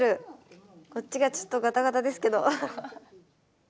こっちがちょっとガタガタですけどアハハ。